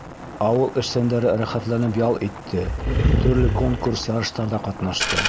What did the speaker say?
Ауыл эшсәндәре рәхәтләнеп ял итте, төрлө конкурс-ярыштарҙа ҡатнашты.